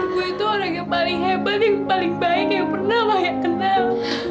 bu itu orang yang paling hebat yang paling baik yang pernah maya kenal